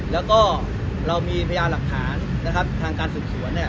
แล้วก็เรามีพยานหลักฐานนะครับทางการสืบสวนเนี่ย